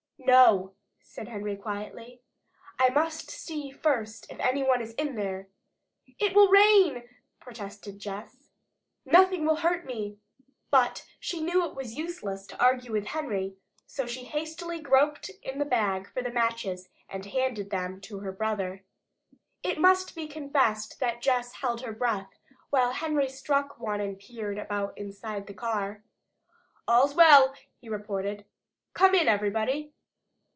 "No," said Henry quietly. "I must see first if any one is in there." "It will rain!" protested Jess. "Nothing will hurt me." But she knew it was useless to argue with Henry, so she hastily groped in the bag for the matches and handed them to her brother. It must be confessed that Jess held her breath while Henry struck one and peered about inside the car. "All's well!" he reported. "Come in, everybody!"